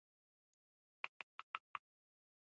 په غیري اسلامي دولت کښي حاکم یا امر ډیکتاتور يي.